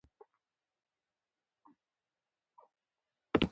بس چې دا څو خلاصېږي، نو روټۍ ورپسې راځي.